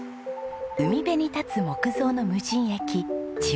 海辺に立つ木造の無人駅千綿駅。